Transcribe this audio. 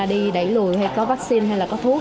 đi đẩy lùi hay có vaccine hay là có thuốc